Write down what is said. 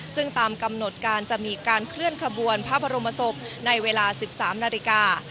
ซึ่งตามกำหนดการจะมีการเคลื่อนขบวนพระบรมศพในเวลา๑๓นาฬิกา